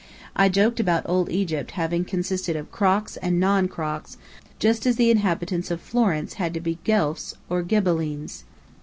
I joked about Old Egypt having consisted of "crocs and non crocs," just as the inhabitants of Florence had to be Guelphs or Ghibellines.